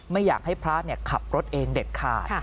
ไม่อยากให้พระขับรถเองเด็ดขาด